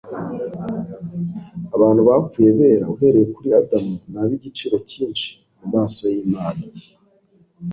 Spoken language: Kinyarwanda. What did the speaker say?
Abantu bapfuye bera uhereye kuri Adamu ni ab'igiciro cyinshi mu maso y'Imana